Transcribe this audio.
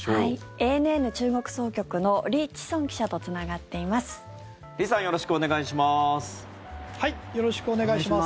ＡＮＮ中国総局のリ・チソン記者とつながっています。